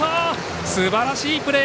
すばらしいプレー！